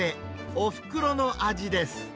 おふくろの味です。